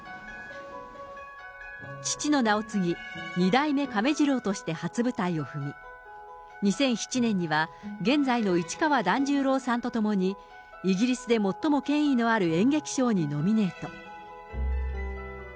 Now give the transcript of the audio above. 父の名を継ぎ、二代目亀治郎として初舞台を踏み、２００７年には現在の市川團十郎さんと共に、イギリスで最も権威のある演劇賞にノミネート。